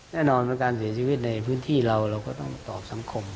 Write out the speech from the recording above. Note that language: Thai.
แน่นอนการเสียชีวิตในพื้นที่เราก็ต้องรับโชคสังคม